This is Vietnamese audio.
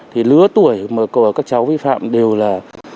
thì lứa tuổi mà của các cháu vi phạm đều là